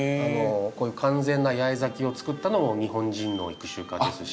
こういう完全な八重咲きを作ったのも日本人の育種家ですし。